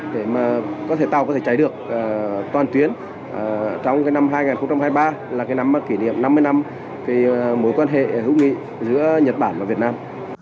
để mà có thể tàu có thể cháy được toàn tuyến trong năm hai nghìn hai mươi ba là cái năm kỷ niệm năm mươi năm mối quan hệ hữu nghị giữa nhật bản và việt nam